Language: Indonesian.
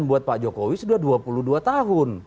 buat pak jokowi sudah dua puluh dua tahun